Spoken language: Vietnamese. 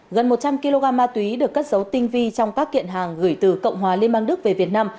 gần một trăm linh kg ma túy được cất dấu tinh vi trong các kiện hàng gửi từ cộng hòa liên bang đức về việt nam